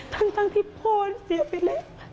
ทั้งที่โพนเสียไปเลย